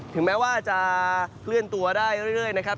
ถึงแม้ว่าจะเคลื่อนตัวได้เรื่อยนะครับ